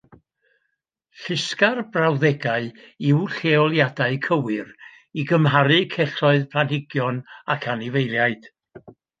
Llusga'r brawddegau i'w lleoliadau cywir i gymharu celloedd planhigion ac anifeiliaid